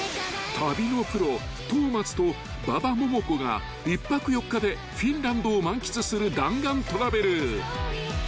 ［旅のプロ東松と馬場ももこが１泊４日でフィンランドを満喫する弾丸トラベル］